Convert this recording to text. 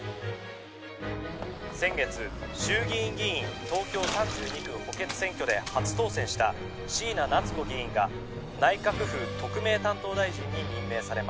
「先月衆議院議員東京３２区補欠選挙で初当選した椎名七津子議員が内閣府特命担当大臣に任命されました」